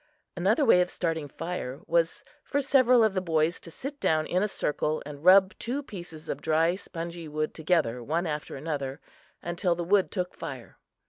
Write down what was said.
Another way of starting fire was for several of the boys to sit down in a circle and rub two pieces of dry, spongy wood together, one after another, until the wood took fire.